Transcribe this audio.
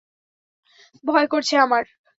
ভয় করছে আমার।